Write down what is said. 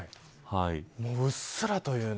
うっすらというね。